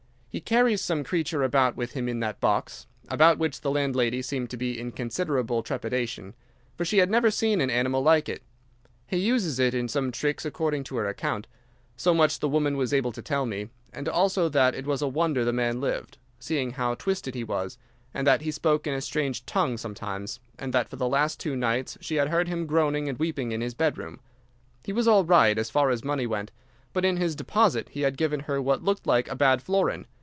He carries some creature about with him in that box; about which the landlady seemed to be in considerable trepidation, for she had never seen an animal like it. He uses it in some of his tricks according to her account. So much the woman was able to tell me, and also that it was a wonder the man lived, seeing how twisted he was, and that he spoke in a strange tongue sometimes, and that for the last two nights she had heard him groaning and weeping in his bedroom. He was all right, as far as money went, but in his deposit he had given her what looked like a bad florin.